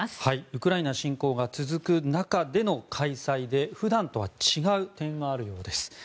ウクライナ侵攻が続く中での開催で、普段とは違う点があるようです。